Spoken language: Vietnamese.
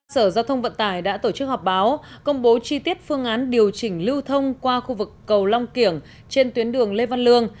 sở giao thông vận tải đã tổ chức họp báo công bố chi tiết phương án điều chỉnh lưu thông qua khu vực cầu long kiểng trên tuyến đường lê văn lương